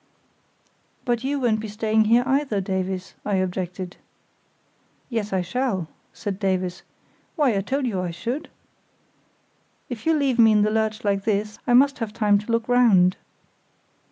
"But you won't be staying here either, Davies," I objected. "Yes, I shall," said Davies. "Why, I told you I should. If you leave me in the lurch like this I must have time to look round."